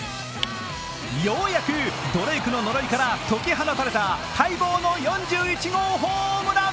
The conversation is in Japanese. ようやくドレイクの呪いから解き放たれた待望の４１号ホームラン！